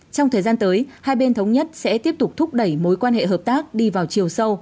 trong thời gian tới hai bên thống nhất sẽ tiếp tục thúc đẩy mối quan hệ hợp tác đi vào chiều sâu